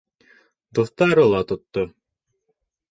Дуҫтары ла тотто.